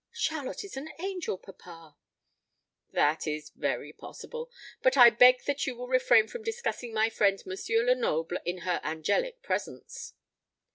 "Charlotte is an angel, papa." "That is very possible. But I beg that you will refrain from discussing my friend M. Lenoble in her angelic presence."